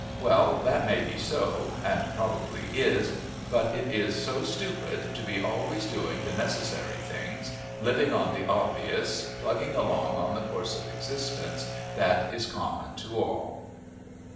Well, that may be so and probably is but it is so stupid to be always doing the necessary things, living on the obvious, plugging along on the course of existence that is common to all.